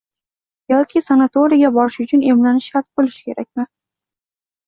Yoki sanatoriyga borish uchun emlanish shart bo‘lishi kerakmi?